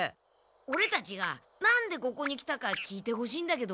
オレたちがなんでここに来たか聞いてほしいんだけど。